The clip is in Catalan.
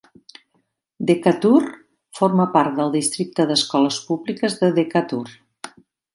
Decatur forma part del districte d'Escoles Públiques de Decatur.